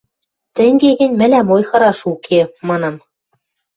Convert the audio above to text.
– Тӹнге гӹнь, мӹлӓм ойхыраш уке, – манам.